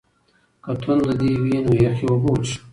که تنده دې وي نو یخې اوبه وڅښه.